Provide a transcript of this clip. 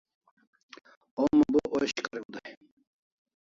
Homa bo osh kariu day